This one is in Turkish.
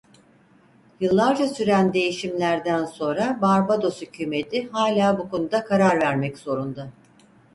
Yıllarca süren değişimlerden sonra Barbados Hükümeti hala bu konuda karar vermek zorunda.